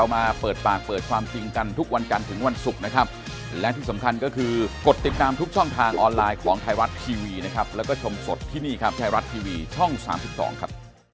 นี่ครับไทยรัฐทีวีช่อง๓๒ครับ